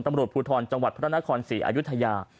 ตำรวจภูทรจังหวัดพระนครศรีอายุทยา